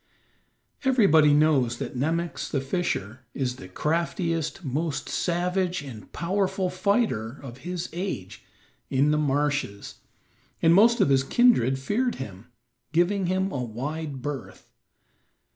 Everybody knows that Nemox, the fisher, is the craftiest, most savage and powerful fighter of his age in the marshes, and most of his kindred feared him, giving him a wide berth.